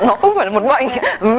nó không phải là một bệnh